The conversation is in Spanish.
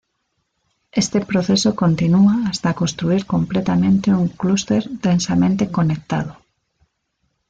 Este proceso continúa hasta construir completamente un clúster densamente conectado.